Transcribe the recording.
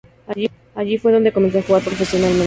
Allí fue donde comenzó a jugar profesionalmente.